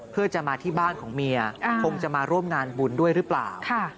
เพื่อจะมาที่บ้านของเมียคงจะมาร่วมงานบุญด้วยหรือเปล่า